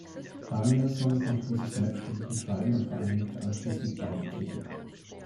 Danielson konnte dieses Match für sich entscheiden und vereinigte anschließend beide Titel.